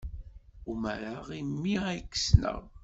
Umareɣ imi ay k-ssneɣ.